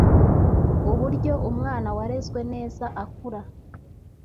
uburyo umwana warezwe neza akura